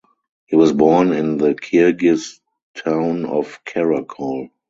He was born in the Kirgiz town of Karakol.